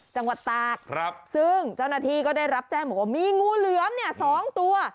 จังหวัดตากซึ่งเจ้าหน้าที่ก็ได้รับแจ้งบอกว่ามีงูเหลือมเนี่ย๒ตัว